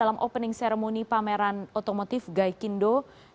dalam opening seremoni pameran otomotif gaikindo dua ribu delapan belas